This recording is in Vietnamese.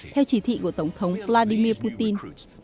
theo chỉ thị của tổng thống vladimir putin